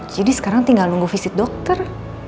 sekarang tinggal nunggu visit dokter